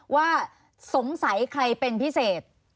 ว่าสงสัยใครเป็นพิเศษ